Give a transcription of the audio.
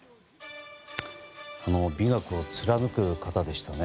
美学を貫く方でしたね。